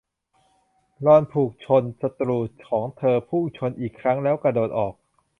ลอนพุ่งชนศัตรูของเธอพุ่งชนอีกครั้งแล้วกระโดดออก